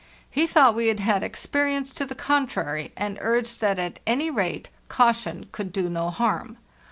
He thought we had had experience to the contrary, and urged that at any rate caution could dono harm.